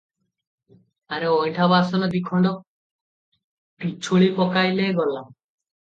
ଆରେ ଅଇଣ୍ଠା ବାସନ ଦିଖଣ୍ଡ ପିଛୁଳି ପକାଇଲେ ଗଲା ।